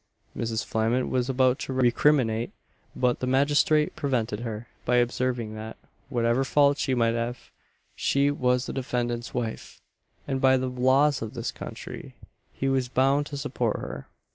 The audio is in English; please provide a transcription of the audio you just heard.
Mrs. Flament was about to recriminate, but the magistrate prevented her, by observing that, whatever faults she might have, she was the defendant's wife; and by the laws of this country, he was bound to support her.